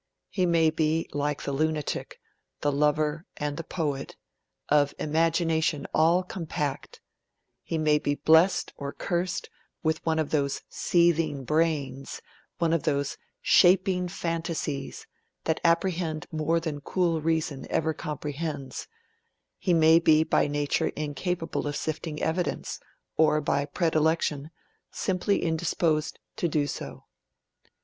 He may be, like the lunatic, the lover, and the poet, 'of imagination all compact'; he may be blessed, or cursed, with one of those 'seething brains', one of those 'shaping fanatasies' that 'apprehend more than cool reason ever comprehends'; he may be by nature incapable of sifting evidence, or by predilection simply indisposed to do so.